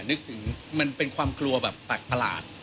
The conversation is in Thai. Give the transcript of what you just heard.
นึกถึงมันเป็นความกลัวแบบแปลกประหลาด